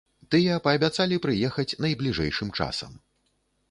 Тыя паабяцалі прыехаць найбліжэйшым часам.